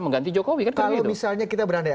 mengganti jokowi kalau misalnya kita berada di